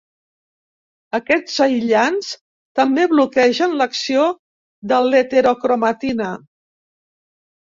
Aquests aïllants també bloquegen l'acció de l'heterocromatina.